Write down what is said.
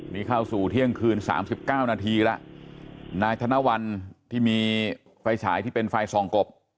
นี่เข้าสู่เที่ยงคืนสามสิบเก้านาทีแล้วนายธนวรที่มีไฟฉายที่เป็นไฟส่องกบ